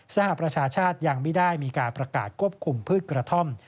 สหประชาชาติยังไม่ได้มีการประกาศควบคุมพืชกระท่อม